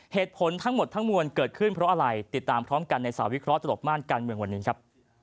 เหตุผลทั้งหมดทั้งมวลเกิดขึ้นเพราะอะไรติดตามพร้อมกันในสาววิเคราะหลบม่านการเมืองวันนี้ครับ